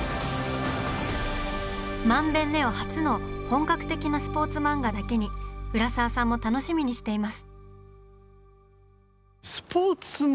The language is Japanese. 「漫勉ｎｅｏ」初の本格的なスポーツ漫画だけに浦沢さんも楽しみにしています。